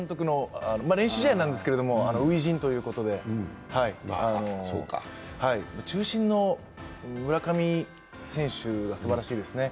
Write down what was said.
練習試合なんですけど栗山監督の初陣ということで中心の村上選手はすばらしいですね。